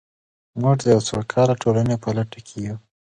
موږ د یوې سوکاله ټولنې په لټه کې یو.